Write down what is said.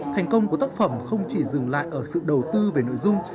thành công của tác phẩm không chỉ dừng lại ở sự đầu tư về nội dung